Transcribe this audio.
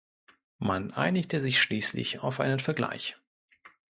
Man einigte sich schließlich auf einen Vergleich.